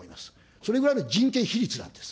それぐらいの人件費率なんです。